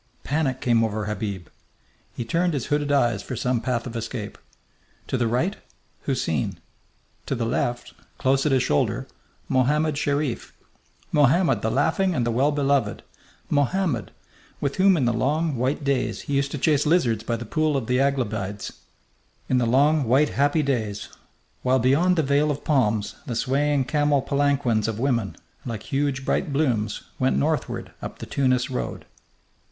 Panic came over Habib. He turned his hooded eyes for some path of escape. To the right, Houseen! To the left, close at his shoulder, Mohammed Sherif Mohammed the laughing and the well beloved Mohammed, with whom in the long, white days he used to chase lizards by the pool of the Aglabides ... in the long, white, happy days, while beyond the veil of palms the swaying camel palanquins of women, like huge bright blooms, went northward up the Tunis road....